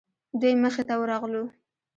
دوی مخې ته ورغلو.